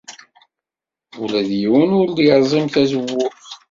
Ula d yiwen ur d-yerẓim tawwurt.